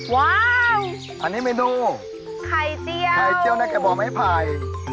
ว้าวอันนี้เมนูไข่เจียวไข่เจียวในกระบอกไม้ไผ่